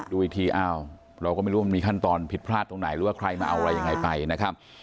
ดูอีกทีอ้าวเราก็ไม่รู้ว่ามันมีขั้นตอนผิดพลาดตรงไหนหรือว่าใครมาเอาอะไรยังไงไปนะครับ